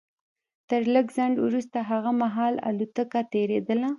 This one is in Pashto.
تر لږ ځنډ وروسته هغه مهال الوتکه تېرېدله